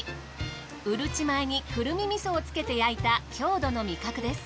うるち米にくるみ味噌をつけて焼いた郷土の味覚です。